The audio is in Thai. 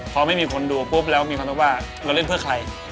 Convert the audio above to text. พอไม่มีคนต้องรู้ว่าเรียนเพื่อใคร